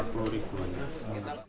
sekitar empat puluh ribu